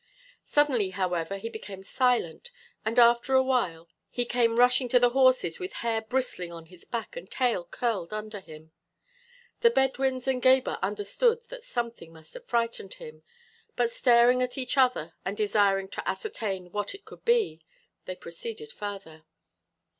Suddenly, however, he became silent and after a while he came rushing to the horses with hair bristling on his back and tail curled under him. The Bedouins and Gebhr understood that something must have frightened him, but staring at each other and desiring to ascertain what it could be, they proceeded farther.